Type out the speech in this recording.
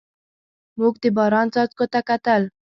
موږ د باران څاڅکو ته کتل.